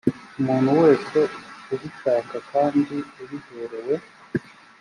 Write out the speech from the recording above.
umuntu wese ubishaka kandi abiherewe